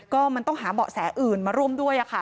ก็มันต้องหาเบาะแสอื่นมาร่วมด้วยค่ะ